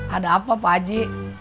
ada apa pak haji